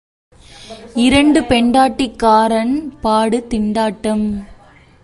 இரண்டு பெண்டாட்டிக்காரன் பாடு திண்டாட்டம்.